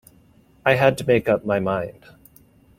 I had to make up my mind.